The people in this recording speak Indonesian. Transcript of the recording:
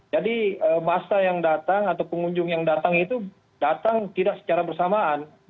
jadi masa yang datang atau pengunjung yang datang itu datang tidak secara bersamaan